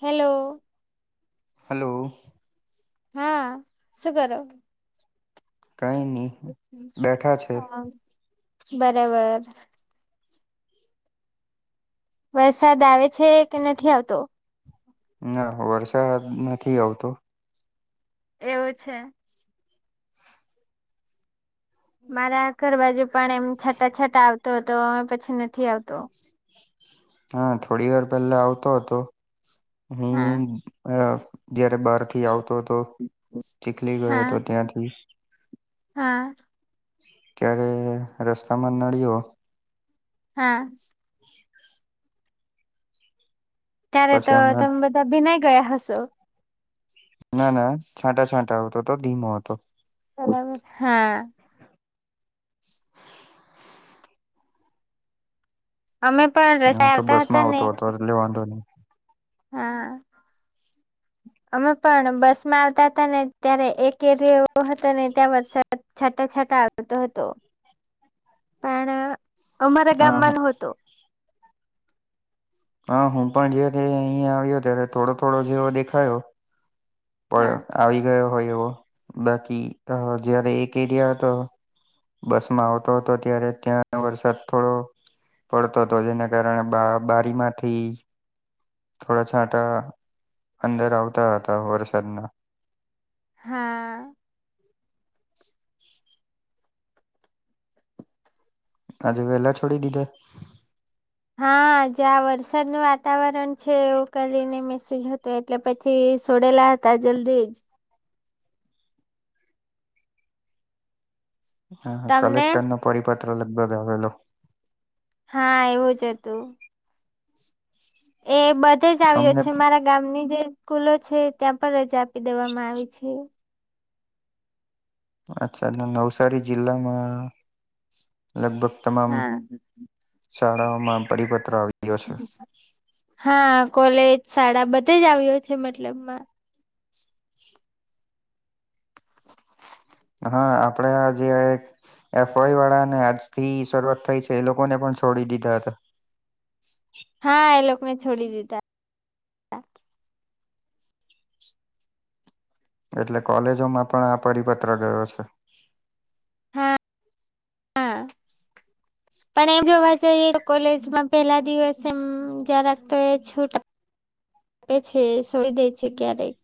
Hello, hello, હા, શું કરો? કઈ નહી બેઠા છે હા બરાબર. વરસાદ આવે છે કે નથી આવતો. ના વરસાદ નથી આવતો. એવું છે. મારા ઘર બાજુ પણ એમ છાટા-છાટા આવતો હતો. હવે પછી નથી આવતો. હા, થોડી વાર પહેલા આવતો હતો. હા હું અહ જયારે બહાર થી આવતો હતો. ચીખલી ગયો હા હતો ત્યાંથી. હા. ત્યારે રસ્તામાં નળ્યો. હા. ત્યારે તો પછી હમણાં તમે બધા ભીનાય ગયા હશો? ના-ના છાંટા-છાંટા આવતો તો ધીમો હતો. હાલો હા, [inaudible] અમે પણ હું રસાએ આવતા બસ માં હતા ને આવતો હતો એટલે તો વાંધો ની. હા. અમે પણ બસ માં આવતા હતા ને ત્યારે એક એરિયો એવો હતો ને ત્યાં વરસાદ છાંટા-છાંટ આવતો હતો. પણ [inaudible] અમારા ગામમાં હા નો હતો. હા, હું પણ જયારે અહીયા આવ્યો ત્યારે થોડો-થોડો જેવો દેખાયો. પણ હા આવી ગયો હોય એવો બાકી અહ જયારે એક એરિયા હતો. બસ માં આવતો હતો ત્યારે ત્યાંરે વરસાદ થોડો પડતો હતો જેને કારણે બારીમાંથી થોડા છાંટા અંદર આવતા હતા વરસાદના. હા. આજે વેલા છોડી દીધા? હા, આજે આ વરસાદનું વાતાવરણ છે એવું કરીને મેસજ હતો એ ટલે પછી છોડેલા હતા જલ્દીજ. હા, તમને કલેક્ટરનો પરિપત્ર લગભગ આવેલો. હા એવું જ હતું. એ બધે જ આવ્યો અમને છે મારા ગામની જે સ્કૂલો છે ત્યાં પણ રજા આપી દેવામાં આવી છે. અચ્છા નવસારી જિલ્લામાં લગભગ તમામ હા શાળાઓમાં પરિપત્ર આવી ગિયો છે. હા, કોલેજ, શાળા બધે જ આવ્યો છે મતલબમાં. હા આપડે આ જે એક એફઆઈવાળાને આજથી શરૂઆત થઈ છે એ લોકોને પણ છોડી દીધા હતા. હા એ લોકોને છોડી દીધા. એટલે કોલેજોમાં પણ આ પરિપત્ર ગયો છે. હા હા [inaudible] પણ એમ જોવા જોઈએ તો કોલેજમાં પેલા દિવસે એમ જરાક તો એ છૂ ટે છે છોડી દેઈ છે ક્યારેક.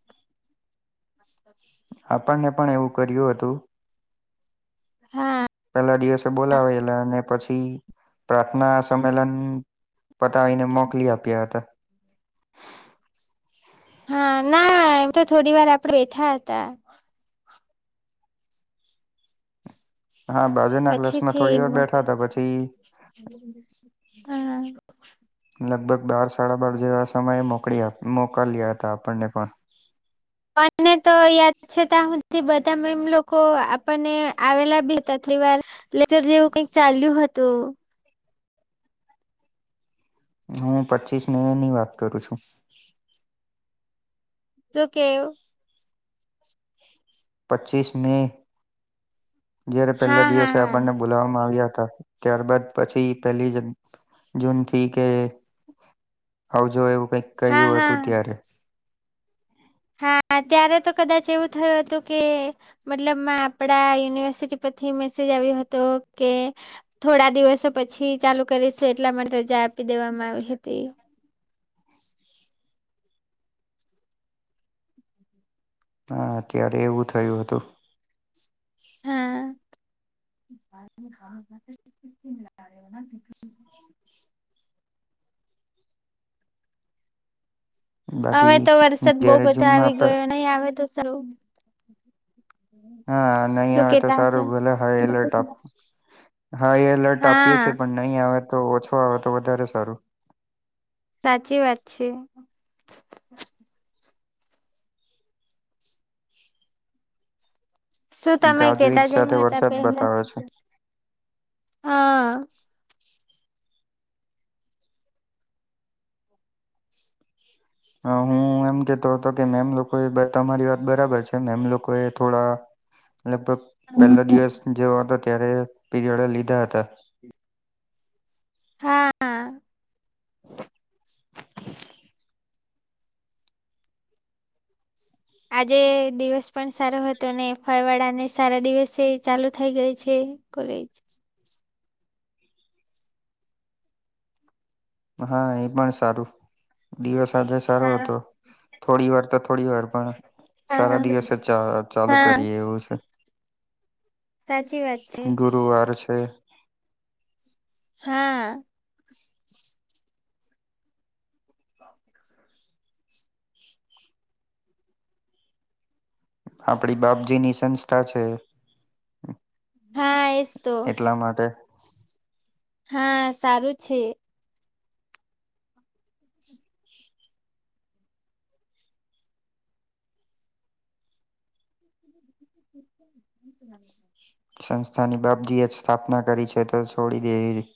આપણને પણ એવું કર્યું હતું હા. પેલા દિવસે બોલાવેલા અને પછી પ્રાર્થના સંમેલન પતાવીને મોકલી આપ્યા હતા. હા ના એમ તો થોડીવાર આપડે બેઠા હતા. હા બાજુના ક્લાસમાં પછીથી થોડીવાર બેઠાં હતા પછી હા. લગભગ બાર સાડા બાર જેવા સમયે મોકડી મોકલ્યા હતા આપણને પણ. મને તો યાદ છે તા હુંધી બધા મેમ લોકો આપણને આવેલા ભી તેટલીવાર લેચર જેવું કઈક ચાલ્યું હતું. હું પચીસ મેની વાત કરું છું. શું કેવ? પચીસ મે જયારે પહેલા હા હા દિવસે હા આપણને બોલાવવામાં આવ્યા હતા ત્યારબાદ પછી પહેલી જ જૂનથી કે આવજો એવું કઈક હા કહ્યું હતું ત્યારે. હા ત્યારે તો કદાચ એવું થયું હતું કે, મતલબમાં આપડા યુનિવર્સિટી પરથી મેસેજ આવ્યો હતો કે, થોડા દિવસો પછી ચાલુ કરીશું એટલા માટે રજા આપી દેવામાં આવી હતી. હા, ત્યારે એવું થયું હતું. હા [inaudible] હવે બાકી તો વરસાદ બોવ જયારે બધો આવી જૂનમાં ગયો, નહી આવે તો સારું. હા નહી શું આવે તો કેતા સારું હતા ભલે હાઈ એલર્ટ આપ હાઈ એલર્ટ આપ્યું હા છે પણ નહીં આવે તો ઓછો આવે તો વધારે સારું. સાચી વાત છે. શું તમે ગાજવીજ કેતા જેમ સાથે હતા વરસાદ પહેલા બતાવે છે હ. અ હું એમ કેતો હતો કે મેમ લોકો એ બ તમારી વાત બરાબર છે મેમ લોકો એ થોડા લગભગ પહેલા દિવસ જેવો હતો ત્યારે પીરિયડો લીધાં હતા. હા. [inaudible] આજે દિવસ પણ સારો હતો ને ફાઈ વાડા ને સારા દિવસે ચાલુ થઇ ગઈ છે. કોલેજ હા એ પણ સારું દિવસ આજે સારો હા હતો થોડી વાર તો થોડી વાર પણ હા સારા દિવસે ચા ચાલુ હા કરીએ એવું છે. સાચી વાત છે ગુરુવાર છે. હા [inaudible] આપડી બાપજી ની સંસ્થા છે. હા એસ તો એટલા માટે હા સારું છે. [inaudible] [inaudible] સંસ્થાની બાપજીએ જ સ્થાપના કરી છે તો છોડી દેવી.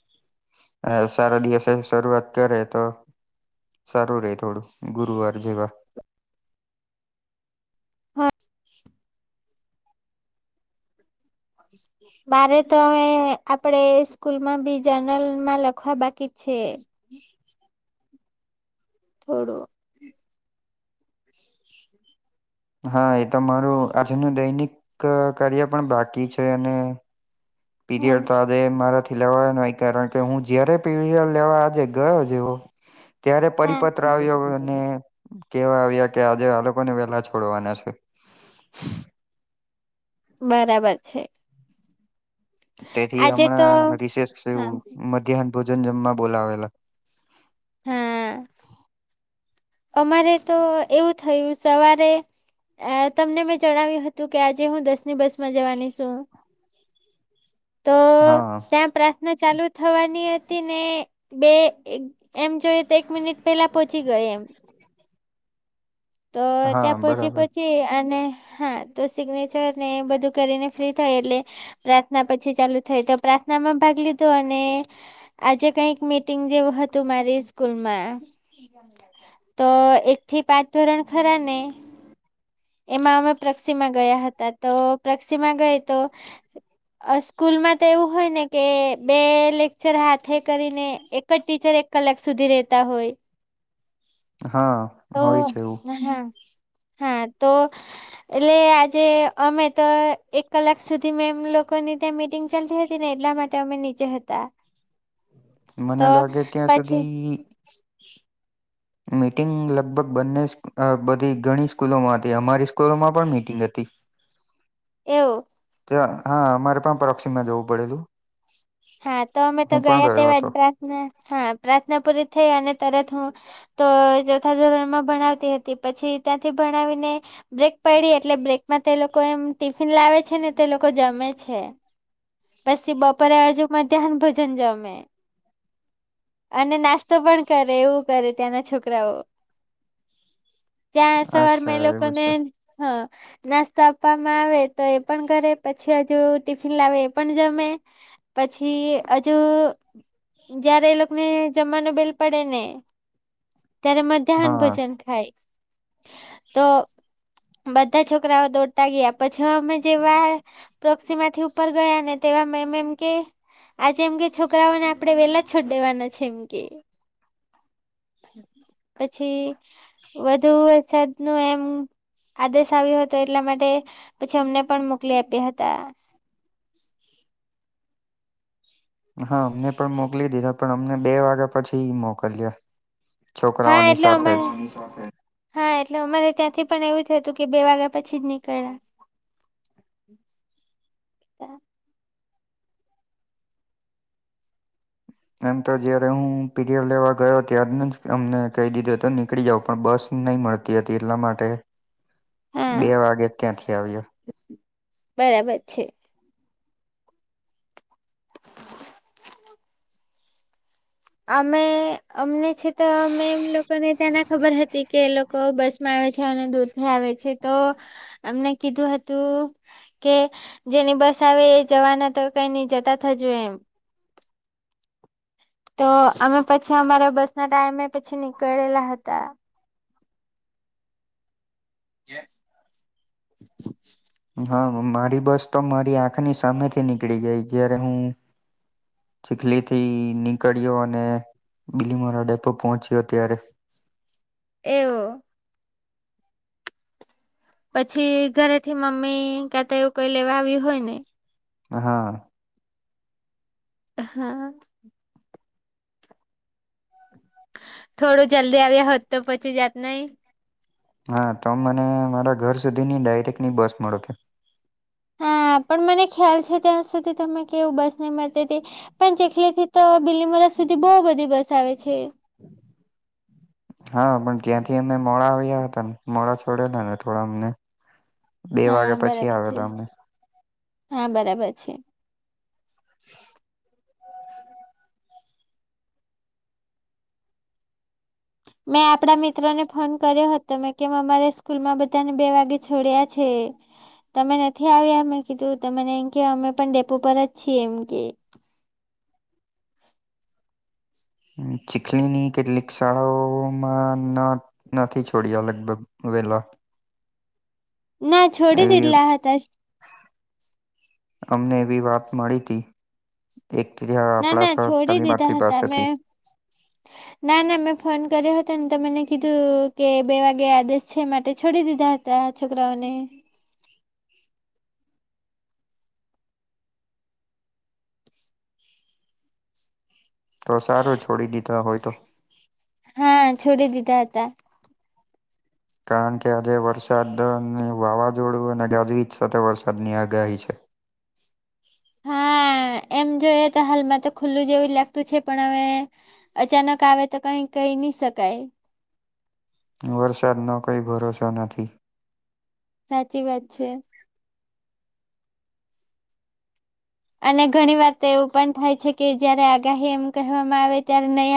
અ સારા દિવસે શરૂઆત કરે તો સારું રહેે થોડું ગુરુવાર જેવા. [inaudible] મારે તો હવે આપડે સ્કૂલમાં બીજા નલમાં લખવા બાકી છે. થોડું હા એ તો મારું આજનું દૈનિક ક કાર્ય પણ બાકી છે અને હા પીરિયડ તો આજે મારાથી લેવાયો નહીં કારણ કે હું જયારે પીરિયડ લેવા આજે ગયો જેવો ત્યારે હા પરિપત્ર આવ્યો અને કેવા આવ્યા કે આજે આ લોકોને વેલા છોડવાના છે. [inaudible] બરાબર છે. તેથી આજે તો હમણાં રિષેશ સે હા એવું મધ્યાહન ભોજન જમવા બોલાવેલા હા અમારે તો એવું થયું સવારે અ તમને મેં જણાવ્યું હતું કે આજે હું દસની બસમાં જવાની છું. તો હા ત્યાં પ્રાર્થના ચાલુ થવાની હતી ને બે એમ જોઈએ તો એક મિનિટ પેલા પહોંચી ગઈ એમ તો હા ત્યાં પોચી બરાબર પછી અને હા તો સિગ્નેચર ને બધું કરીને ફ્રી થાય એટલે પ્રાર્થના પછી ચાલુ થઈ તો પ્રાર્થનામાં ભાગ લીધો અને આજે કઈક મીટિંગ જેવું હતું મારી સ્કૂલમાં [inaudible] તો એક થી પાંચ ધોરણ ખરા ને એમાં અમે પ્રક્ષીમાં ગયા હતા તો પ્રક્ષીમાં ગઈ તો સ્કૂલમાં તો એવું હોય ને કે બે લેક્ચર હાથે કરીને એક જ ટીચર કલાક સુધી રહેતા હોય. હા તો હા ઈજ કેવું હા હા તો એટલે આજે અમે તો એક કલાક સુધી મે એમ લોકોની ત્યાં મીટિંગ ચાલતી હતી ને એટલા માટે અમે નીચે હતા. મને તો લાગે ત્યાં પછી સુધી મીટિંગ લગભગ બંને બધી ઘણી સ્કૂલોમાં હતી, અમારી સ્કૂલોમાં પણ મીટિંગ હતી. એવુ ત્યાં હા અમારે પણ પરોક્ક્ષિમાં જવું પડેલું. હા તો અમે તો હું પણ ગયા ગયો તેવા જ હતો પ્રાર્થના હા પ્રાર્થના પૂરી થઈ અને તરત હું તો ચોથા ધોરણમાં ભણાવતી હતી પછી ત્યાંથી ભણાવીને બ્રેક પડી એટલે બ્રેકમાં તે લોકો એમ ટિફિન લાવે છે ને તે લોકો જમે છે. પછી બપોરે હજુ મધ્યાહન ભોજન જમે. અને નાસ્તો પણ કરે એવું કરે ત્યાંના છોકરાઓ [inaudible] ત્યાં અચ્છા સવારમાં એ એવું લોકોને છે હ નાસ્તો આપવામાં આવે તો એ પણ કરે પછી હજુ ટિફિન લાવે એ પણ જમે પછી હજુ જયારે એ લોકોને જમવાનું બેલ પડે ને ત્યારે મધ્યાહન હા ભોજન ખાય તો બધા છોકરાઓ દોડતા ગયા પછી અમે જેવા પ્રોકસી માથી ઉપર ગયા ને તેવા નેમ એમ કેય આજે એમ કે છોકરાઓને આપણેે વેલા છોડ દેવાના છે એમ કેય પછી વધુ વરસાદનું એમ આદેશ આવ્યો હતો એટલા માટે પછી અમને પણ મોકલી આપ્યા હતા. હા અમને પણ મોકલી દીધા પણ અમને બે વાગ્યા પછી મોકલ્યા હા છોકરાઓની એટલે અમે સાથે જ હા એટલે અમારે ત્યાંથી પણ એવું થય હતું કે બે વાગ્યા પછી જ નીકળ્યા. હતા. એમ તો જય્યારે હું પીરયડ લેવા ગયો ત્યારનું જ અમને કહી દીધું તો નીકળી જાઉં પણ બસ નય મળતી હતી એટલા માટે બે હા વાગે ત્યાંથી આવ્યો. બરાબર છે. અમે અમને છે તો મેમ લોકોને ત્યાના ખબર હતી કે લોકો લોકો બસમાં આવે છે અને દૂર થી આવે છે તો એમને કીધું હતું કે જેની બસ આવે એ જવાના તો કઈ નઈ જતા થજો એમ. તો અમે પછી અમારા બસ ના ટાઈમે પછી નીકળેલા હતા. [inaudible] હા મારી બસ તો મારી આંખની સામેથી નીકળી ગઈ જ્યારે હું ચીખલી થી નીકળ્યો અને બીલીમોરા ડેપો પહોંચ્યો ત્યારે એવું પછી ઘરેથી મમ્મી ક્યાં તો એવું કોઈ લેવા આવ્યું હોય ને. હા. હા. થોડું જલ્દી આવ્યા હોત તો પહોંચી જાત નય. હા તો મને મારા ઘર સુધી ની ડાયરેક્ટ ની બસ મળતે. હા પણ મને ખ્યાલ છે ત્યાં સુધી તમે કેવું બસ નહી મળતી હતી પણ ચીખલીથી તો બીલીમોરા સુધી બો બધી બસ આવે છે. હા પણ ત્યાંથી અમે મોડા આવ્યા હતા ને મોડા છોડેલા ને થોડા અમને બે હા વાગ્યા પછી બરાબર છે આવેલા અમે હા બરાબર છે. [inaudible] મેં આપડા મિત્રો ને ફોન કર્યો હતો મે કેમ અમારા સ્કૂલમાં બધાને બે વાગે છોડ્યા છે. તમે નથી આવ્યા અમે કીધું તો મને એમ કે અમે પણ ડેપો પર જ છીએ એમ કે. ચીખલીની કેટલીક શાળાઓમાં નથી છોડ્યા લગભગ વેલા. ના છોડી એવી દીધેલા હતા જ અમને એવી વાત મળીતી એક અહ ના આપણા ના સર છોડી દીધા તાલીમાર્થી હતા પાસેથી. મેં ના ના મેં ફોન કર્યો હતો ને તો મને કીધું કે બે વાગે આદેશ છે માટે છોડી દીધા હતાં છોકરાઓને. તો સારું છોડી દીધા હોય તો. હા, છોડી દીધા હતા. કારણ કે આજે વરસાદ અને વાવાઝોડું અને ગાજવીજ સાથે વરસાદની આગાહી છે. [inaudible] હા એમ જોઈએ તો હાલમાં તો ખુલ્લું જેવું લાગતું છે પણ હવે અચાનક આવે તો કઈ કહી ની શકાય. વરસાદનો કોઈ ભરોસો નથી. સાચી વાત છે. અને ઘણીવાર તો એવું પણ થાય છે કે જયારે આગાહી એમ કહેવામાં આવે ત્યારે નઈ આ